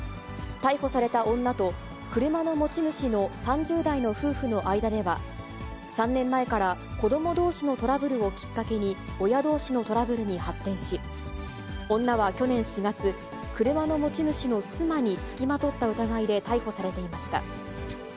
逮捕された女と車の持ち主の３０代の夫婦の間では、３年前から子どもどうしのトラブルをきっかけに親どうしのトラブルに発展し、女は去年４月、車の持ち主の妻に付きまとった疑いで逮捕されていました。